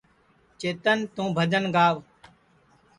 چیتن توں بھجن گاو